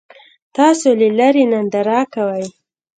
تاسو له لرې ننداره کوئ.